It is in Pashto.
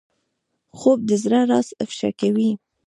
خوب د زړه راز افشا کوي